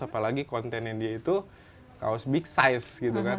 apalagi kontennya dia itu kaos big size gitu kan